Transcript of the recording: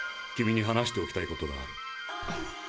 君に話しておきたいことがある。